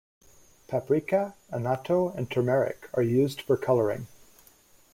Paprika, annatto and turmeric are used for colouring.